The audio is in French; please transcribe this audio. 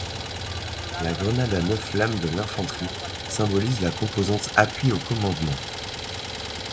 La grenade à neuf flammes de l'Infanterie symbolise la composante appui au commandement.